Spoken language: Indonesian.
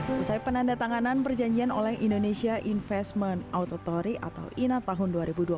setelah penanda tanganan perjanjian oleh indonesia investment autotory atau ina tahun dua ribu dua puluh